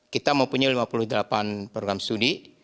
kita mempunyai lima puluh delapan program studi